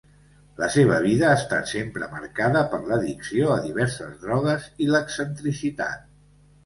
La seva vida ha estat sempre marcada per l'addicció a diverses drogues i l'excentricitat.